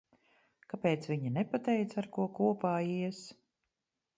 Kāpēc viņa nepateica, ar ko kopā ies?